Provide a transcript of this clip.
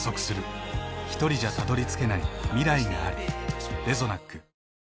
ひとりじゃたどりつけない未来がある。